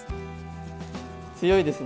強いですね